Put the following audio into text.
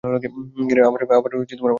আবার আমাকে মিস করলে।